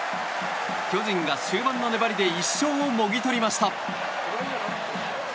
巨人が終盤の粘りで１勝をもぎ取りました。